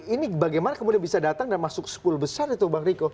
ini bagaimana kemudian bisa datang dan masuk skul besar itu bang riko